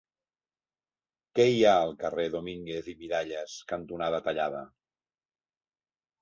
Què hi ha al carrer Domínguez i Miralles cantonada Tallada?